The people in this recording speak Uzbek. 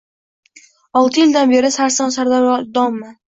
Olti yildan beri sarson-sargardonman